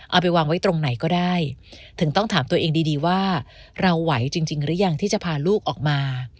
เอาไปวางไว้ตรงไหนก็ได้ถึงต้องถามตัวเองดีดีว่าเราไหวจริงหรือยังที่จะพาลูกออกมา